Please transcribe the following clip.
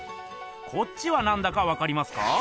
こっちはなんだかわかりますか？